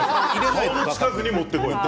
顔の近くに持ってこいと。